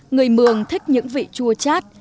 người mường thích những vị chua chát